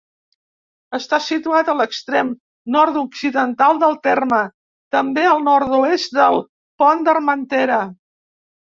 Està situat a l'extrem nord-occidental del terme, també al nord-oest del Pont d'Armentera.